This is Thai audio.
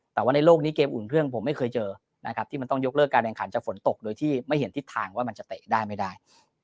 แต่ว่าในโลกนี้เกมอุ่นเครื่องผมไม่เคยเจอนะครับที่มันต้องยกเลิกการแข่งขันจากฝนตกโดยที่ไม่เห็นทิศทางว่ามันจะเตะได้ไม่ได้